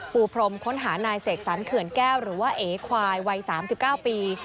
พรมค้นหานายเสกสรรเขื่อนแก้วหรือว่าเอควายวัย๓๙ปี